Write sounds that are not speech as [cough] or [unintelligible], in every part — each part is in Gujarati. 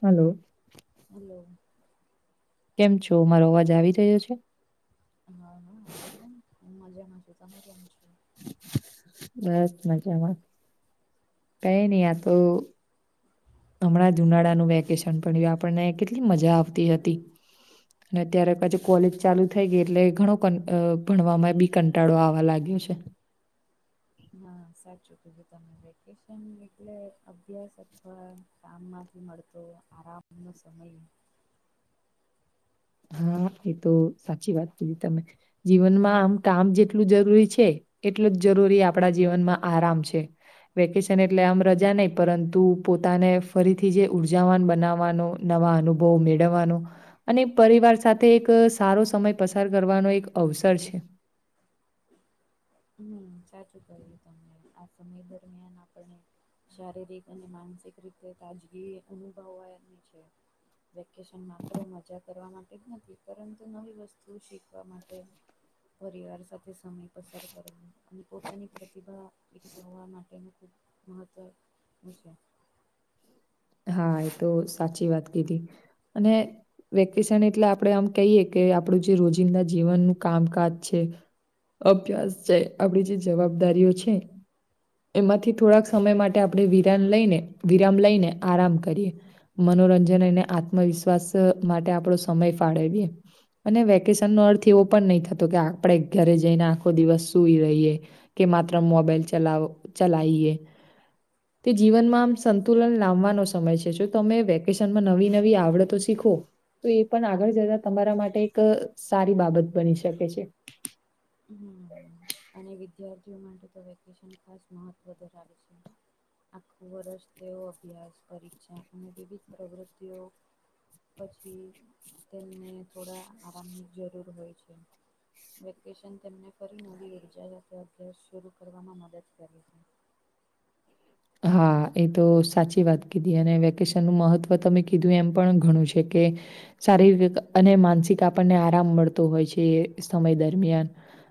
હલો હલો કેમ છો? મારો અવાજ આવી રહ્યો છે? હા હ આવે છે ન હુ મજામાં છું તમે કેમ છો? બસ મજામાં કઈ નહ આ તો. હમણાં જુનાળાનું વેકેશન પડ્યું આપણને કેટલી મજા આવતી હતી. અને અત્યારે પછી કોલેજ ચાલુ થઈ ગઈ એટલે ઘણો ભણવામાં બ કંટાળો આવા લાગ્યો છે. હા સાચું કીધું તમે વેકેશન એટલે અભ્યાસ અથવા કામ માંથી મળતો આરામ નો સમય. હા એ તો સાચી વાત કીધી તમે જીવનમાં આમ કામ જે એટલું જરૂરી છે એટલું જ જરૂરી આપણા જીવનમાં આરામ છે. વેકેશન એટલે આમ રજા નહી પરંતુ પોતાને ફરીથી જે ઉર્જાવાન બનાવવાનો નવા અનુભવ મેળવવાનો. અને પરિવાર સાથે એક સારો સમય પસાર કરવાનો એક અવસર છે. હ સાચું ક્યું તમને આ સમય દરમિયાન આપણને શારીરિક અને માનસિક રીતે તાજગી અનુભવાવાની છે. વેકેશનમાં આપડે મજા કરવા માટે જ નથી પરંતુ નવી વસ્તુ શીખવા માટે. પરિવાર સાથે સમય પસાર. અને પોતાની પ્રતિભા વિકસવવા માટેનું ખૂબ મહત્ત્વ છે. હા એ તો સાચી વાત કીધી અને વેકેશન એટલે આપડે આમ કહીએ કે આપણું જે રોજિંદા જીવનનું કામકાજ છે. અભ્યાસ જે આપડી જે જવાબદારીઓ છે. એમાંથી થોડાક સમય માટે આપણે વિરામ લઈને વિરામ લઈને. આરામ કરીએ મનોરંજન અનેને આત્મવિશ્વાસ માટે આપણો સમય ફાળવીએ. અને વેકેશન નો અર્થ એવો પણ નહી થતો કે આપણે ઘરે જઈને આખો દિવસ સુું રહીએ. કે માત્ર મોબાઈલ ચલાવ ચલાઈએ. તે જીવનમાં આમ સંતુલન લાવવા. સમય છે જો તમે વેકેશનમાં નવી નવી આવડતો શીખો. તો એ પણ આગળ જતા તમારા માટે એક સારી બાબત બની શકે છે. હ અને વિદ્યાર્થીઓ માટે તો વેકેશન ખાસ મહત્વ ધરાવે છે. આખું વર્ષ તેઓ અભ્યાસ પરીક્ષા અને વિવિધ પ્રવૃત્તિઓ પછી તેલને થોડા આરામની જરૂર હોય છે. વકેશન તેમને ફરી નવી ઉર્જા સાથેતે અભ્યાસ શરૂ કરવામાં મદદ કરી છે. હા એ તો સાચી વાત કીધી અને વેકેશનનું મહત્ત્વ ત મેમે કીધું એમ પણ ઘણું છે કે. શારીરિક અને માનસિક આપણને આરામ મળતો હોય છે એ સમય દરમિયાન.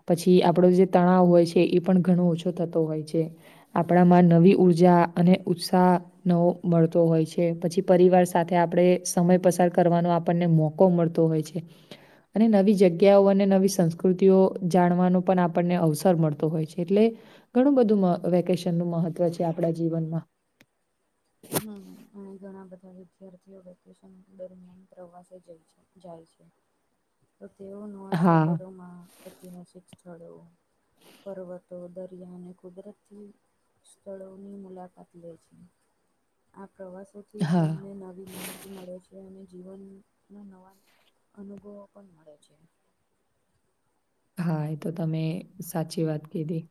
પછી આપણો જે તણાવ હોય છે એ પણ ઘણો ઓછો થતો હોય છે આપણામાં નવી ઉર્જા. જા અને ઉત્સાહ. નવો મળતો હોય છે પછી પરિવાર સાથે આપણે સમય પસાર કરવાનો આપણને મો. કો મળતો હોય છે. અને નવી જગ્યાઓ અને નવી સંસ્કૃતિઓ જાણવાનો પણ આપણને અવસર મળતો હોય છે એટલે. ઘણું બધું વેકેશન નું મહત્વ છે આપણા જીવનમાં હમ અહીં ઘણા બધા વિદ્યાર્થીઓ વેકેશન દરમિયાન પ્રવાસે જાય છે. જાય છે તો તેઓ નવા હા, શહેરોમાં ઐતિહાસિક સ્થળો. પર્વતો દરિયા અને કુદરતી સ્થળોની મુલાકાત લે છે. આ પ્રવાસોથી તેમને હા, નવી માહિતી. મળે છે અને જીવન ના નવા અનુભવો પણ મળે છે. હા એ તો તમે સાચી વાત કીધી.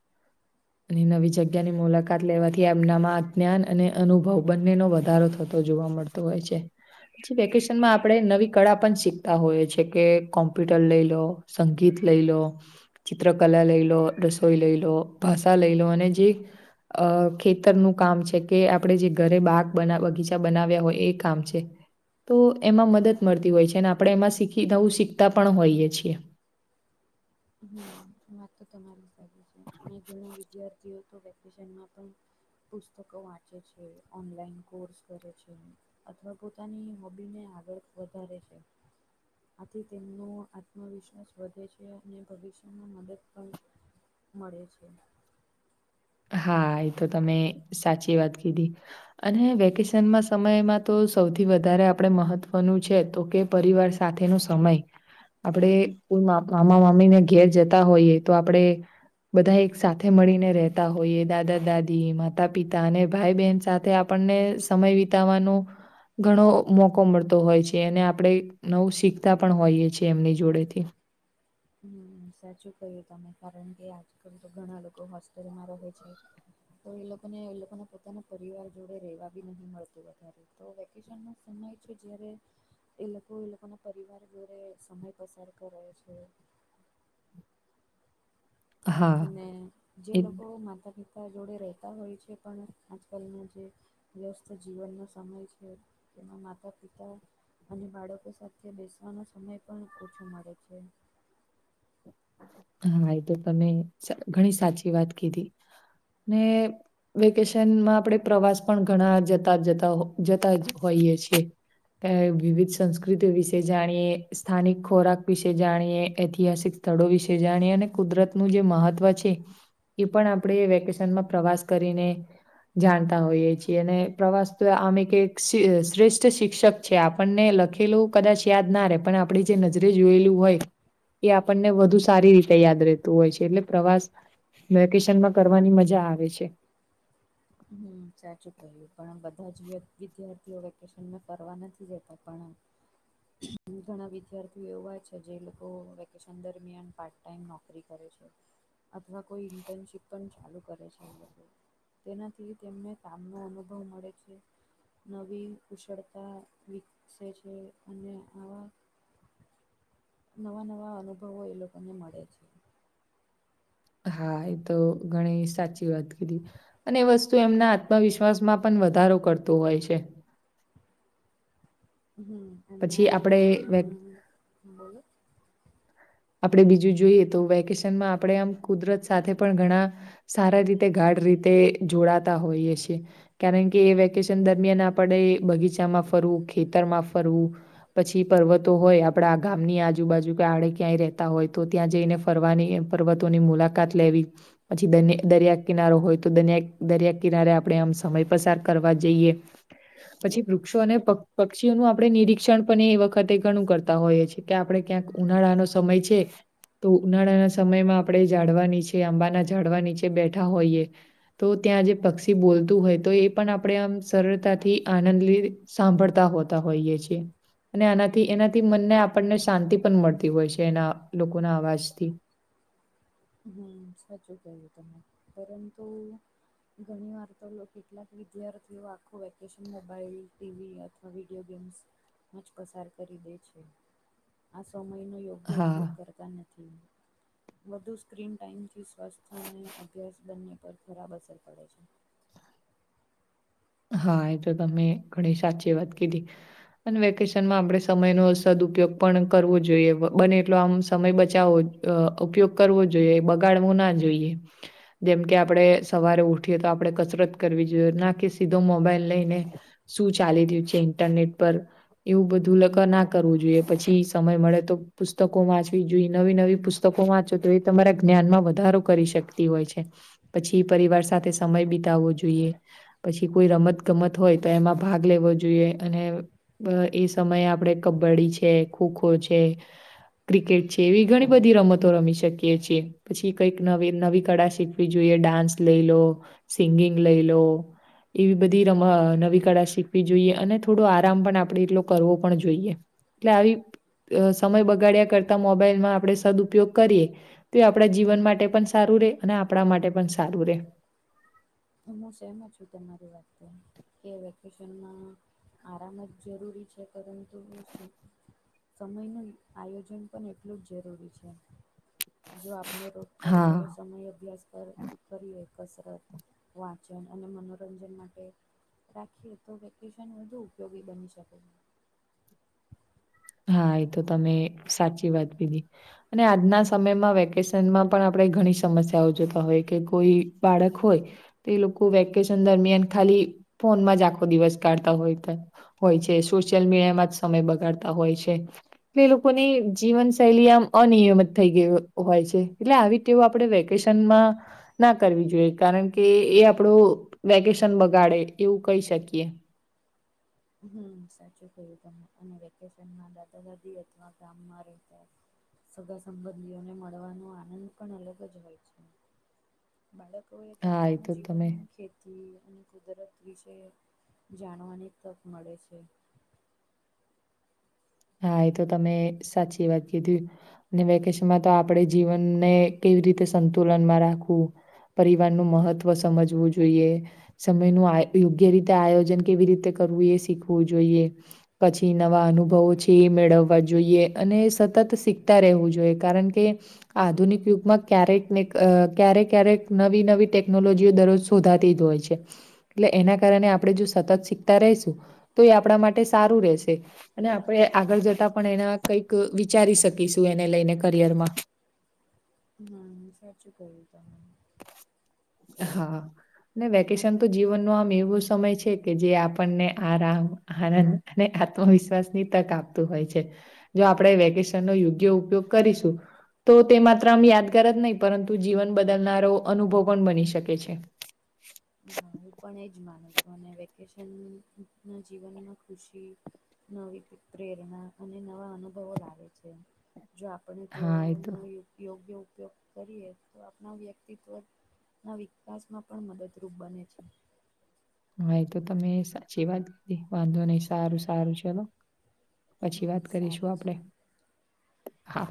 અને નવી જગ્યા ની મુલાકાત લેવાથી એમનામાં જ્ઞાન અને અનુભવ બંને ન વધારો થતો જોવા મળતો. તો હોય છે. પ વેકેશનમાં આપડણે નવી કળા પણ શીખતા હોઈએી કે કોમ્પ્યુટર લઈ લો. સંગીત લઈ લો ચિત્રકલા લઈ લો રસોઈ લઈ લો. ભાષા લઈ લો અને જે. અ ખેતરનું કામ છે કે આપણે જે ઘરે બાગ બગીચા બનાવ્યા હોય એ કામ છે. તો એમાં મદદ મળતી હોય છે અને આપણે એમાં શીખી નવું શીખતા પણ હોઈએ છીએ. હમ વાત તો તમારી હિસાબે છે પણ ઘણા વિદ્યાર્થીઓ તો વેકેશનમાં પણ. પુસ્તકો વાંચે છે ઓનલાઈન કોર્સ કરે છે. અથવા પોતાની હોબીને આગળ વધારે છે. આથી તેમનો આત્મવિશ્વાસ વધે છે. અને ભવિષ્યમાં મદદ પણ મળે છે. હા એ તો તમે સાચી વાત કીધી. અને વેકેશનમાં સમયમાં તો સૌથી વધારે આપણે મહત્ત્વનું છે તો કે. પરિવાર સાથે નો સમય. આપણે કોઈ મામા મામીને ઘેર જતા હોઈએ તો આપડે. બધા એક સાથે મળીને રહે. હોય દાદા દાદી માતા પિતા અને ભાઈ બહેન સાથે આપણને સમય વિતાવાનો. ઘણો મોકો મળતો હોય છે અનેને આપણે. નવું શીખતા પણ હોઈએ છ છેએ એમની જોડે થી. હ સાચું કહ્યું તમે કારણ કે આજકાલ તો ઘણા લોકો હોસ્ટેલમાં રહે છે. તો એ લોકોને એ લોકોને પોતાના પરિવાર જોડે રેવા બી નહ મળતું વધારે. તો વેકેશન નો સમય છે જારે. એ લોકો એ લોકો ના પરિવાર ઘરે સમય પસાર કરે છે. હા, અને જે એ લોકો માતા પિતા જોડે રહેતા હોય છે પણ આજકાલના જે. વ્યસ્ત જીવનનો સમય છે તેમાં માતા પિતા અને બાળકો સાથે બેસવાનો સમય પણ ઓછો મળે છે. હા એ તો તમે ઘણી સાચી વાત કીધી ને વેકેશનમાં આપણે પ્રવાસ પણ ઘણા જતા જતા જતા હોઈએ છીએ. વિવિધ સંસ્કૃતિઓ વિશે જાણીએ સ્થાનિક ખોરાક વિશે જાણીએ ઐતિહાસિક સ્થળો વિશે જાણીએ અને કુદરતનું જે મહત્વ છે એ પણ આપણે વેકેશનમાં પ્રવાસ કરીને જાણતા હોઈએ છીએ અને પ્રવાસ તો આમે કે શ્રેષ્ઠ શિક્ષક છે આપણને લખેલું કદાચ યાદ ના રહે પણ આપણી જે નજરે જોયેલું હોય એ આપણને વધુ સારી રીતે યાદ રહેતું હોય છે એટલે પ્રવાસ વેકેશન માં કરવાની મજા આવે છે. હમ્મ સાચું કહ્યું પણ બધા જ વિદ્યાર્થીઓ વેકેશનમાં કરવા નથી જતા આપણે હ ઘણા વિદ્યાર્થીઓ એવા છે જે લોકો વેકેશન દરમિયાન પા ટાઈમ નોકરી કરે છે અથવા કોઈ ઇન્ટર્નશીપ પણ ચાલુ કરે છે એ લોકો. તેનાથી તેમને કામનો અનુભવ મળે છે. નવી કુશળતા વિકસે છે અને આવા નવા નવા અનુભવો એ લોકોને મળે છે. હા એ તો ઘણી સાચી વાત કરી. અને એ વસ્તુ એમના આત્મવિશ્વાસમાં પણ વધારો કરતો હોય છે. હમ્મ અને પછી આજના આપણે સમયમાં બોલો આપણે બીજું જોઈએ તો વેકેશનમાં આપણે આમ કુદરત સાથે પણ ઘણા સારા રીતે ગાઢ રીતે જોડાતા હોઈએ છે. કારણ કે એ વેકેશન દરમિયાન આપડે બગીચામાં ફરવું ખેતરમાં ફરવું પછી પર્વતો હોય આપડે આ ગામની આજુબાજુ કે આડ ક્યાંય રહેતા હોય તો ત્યાં જઈને ફરવાની પર્વતોની મુલાકાત લેવી પછી દરિયા કિનારો હોય તોયા દરિયા કિનારે આપણે આમ સમય પસાર કરવા જઈએ. પછી વૃક્ષો અને પક્ષીઓનું આપડણે નિરીક્ષણ પણ એ વખતે ઘણું કરતા હોઈએ છે. કે આપડે ક્યાંક ઉનાળાનો સમય છે તો ઉનાળાના સમયમાં આપણે ઝાડવા નીચે આંબાના ઝાડવા નીચે બેઠા હોઈએ તો ત્યાં જે પક્ષી બોલતું હોય તો એ પણ આપણે આમ સરળતાથી આનંદ સાંભળતા હોતા હોઈએ છેએ અને આનાથી એનાથી મનને આપણને શાંતિ પણ મળતી હોય છે. જેના લોકોના અવાજથી હમ્મ સાચું કહ્યું તમે પરંતુ ઘણી વાર તો લો કેટલાક વિદ્યાર્થીઓ આખો વેકેશન મોબાઈલ, ટીવી હતી [unintelligible] વીડીયો ગેમ્ જ પસાર કરી દે છે આ સમય નો ઉપયોગ હા કરતા નથી વધુ સ્ક્રીન ટાઈમથી સ્વાસ્થ્ય અને અભ્યાસ બંને પર ખરાબ અસર પડે છે. હા એ તો તમે ઘણી સાચી વાત કીધી. અને વેકેશનમાં આપડણે સમય ન સદઉપયોગ પણ કરવો જોઈએ બને એટલો આમ સમય બચાવો અ ઉપયોગ કરવો જોઈએ બગાડવો ના જોઈએ. જેમ કે આપડણે સવારે ઉઠીએ તો આપડણે કસરત કરવી જોઈએ ના કે સીધો મોબાઈલ લઈને શું ચાલી રહ્યું છે ઇન્ટરનેટ પર એવું બધું લગ ના કરવું જોઈએ પછી સમય મળે તો પુસ્તકો વાંચવી જોઈએ નવી નવી પુસ્ત પુસ્તકો વાંચો તો એ તમારા જ્ઞાનમાં વધારો કરી શકતી હોય છે. પછી પરિવાર સાથે સમય બિતાવવો જોઈએ. પછી કોઈ રમત ગમત હોય તો એમાં ભાગ લેવો જોઈએ અને અ એ સમયે આપડે કબડ્ડી છે, ખોખો છે ક્રિકેટ છે એવી ઘણી બધી રમતો રમી શકીએ છીએ. પછી કઈક નવી નવી કળા શીખવી જોઈએ ડાન્સ લઈ લો, સિંગિંગ લઈ લો એવી બધી રમ નવી કળા શીખવી જોઈએ અને થોડો આરામ પણ આપણે એટલો કરવો પણ જોઈએ. એટલે આવી અ સમય બગાડ્યા કરતા મોબાઈલમાં આપણે સદઉપયોગ કરીએ. તે એ આપણા જીવન માટે પણ સારું રે અને આપણા માટે પણ સારું રે. હું સેહેમત છું તમારી વાતે કે વેકેશનમાં આરામ જ જરૂરી છે પરંતુ વેકેશન મા. સમયનું આયોજન પણ એટલું જ જરૂરી છે. જો આપણે રોજ થોડો હા થોડો સમય અભ્યાસ કરી કરીએ કસરત વાચન અને મનોરંજન માટે. રાખીએ તો વેકેશન વધુ ઉપયોગી બની શકે. હા એ તો તમે સાચી વાત કિધી. અને આજના સમયમાં વેકેશનમાં પણ આપણે ઘણી સમસ્યાઓ જોતા હોય કે કોઈ બાળક હોય તે લોકો વેકેશન દરમિયાન ખાલી ફોનમાં જ આખો દિવસ કાઢતા હોય ત. હોય છે સોશિયલ મીડિયામાં જ સમય બગાડતા હોય છે. એટલે એ લોકોની જીવનશૈલી આમ અનિયમિત થઈ ગઇ હોય છે એટલે આવી તેવું આપણે વેકેશનમાં ના કરવી જોઈએ કારણ કે એ આપડો વેકેશન બગાડે એવું કહી શકીએ. હમ સાચું કયું તમે અને વેકેશનમાં દાદા દાદી અથવા ગામમાં રેતા સગા સંબંધીઓને મળવાનો આનંદ પણ અલગ જ હોય છે. બાળકો એ હા, ગામડાનું તો જીવન તમે ખેતી થી અને કુદરત વિશે જાણવાની તક મળે છે. હા એ તો તમે સાચી વાત કીધી. ને વેકેશનમાં તો આપણે જીવનને કેવી રીતે સંતુલનમાં રાખવું. પરિવારનું મહત્ત્વ સમજવું જોઈએ. સમયનું આ યોગ્ય રીતે આયોજન કેવી રીતે કરવું એ શીખવું જોઈએ. પછી નવા અનુભવો છે. એ મેળવવા જોઈએ અને સતત શીખતા રહેવું જોઈએ કારણ કે આધુનિક યુગમાં ક્યારેક ને ક્યારેક ક્યારેક નવી નવી ટેકનોલોજીઓ દરોજ [unintelligible] ધાતી જ હોય છે એટલે એના કારણે આપણે જો સતત શીખતા રેશું તો એ આપણા માટે સારું રહેશે, અને આપણે આગળ જતા પણ એના કઈક વિચારી શકીશું, એને લઈને કરિયર માં ના સાચું ક્યું તમે. હા ને વેકેશન અને તો જીવનનો આમ એવો સમય છે. છે કે જે આપણને આરામ આનંદ અને આત્મવિશ્વાસની તક આપતું હોય છે. જો આપણે વેકેશનનો યોગ્ય ઉપયોગ કરીશું. તો તે માત્ર આમ યાદગાર જ નહીં પરંતુ જીવન બદલનારો અનુભવ પણ બની શકે છે. હ હું પણ એજ માનું છું, અને વેકેશન ના જીવનમાં ખુશી નવી પ્રેરણા અને નવા અનુભવો લાવે છે, જો પણ તે હા એ તો ઓની. યોગ્ય ઉપયોગ કરીએ તો આપણા વ્યક્તિત્વ ના વિકાસ માં પણ મદદ તૃપ્પ બને છે. હા એ તો તમે સાચી વાત કીધી વાંધો નહી સારું સારું ચલો. પછી હા વાત કરીશું સારું છે. આપડે હા.